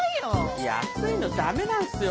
いや暑いのダメなんすよ